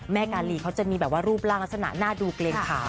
การีเขาจะมีแบบว่ารูปร่างลักษณะหน้าดูเกรงขา